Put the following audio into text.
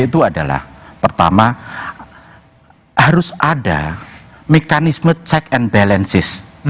itu adalah pertama harus ada mekanisme check and balances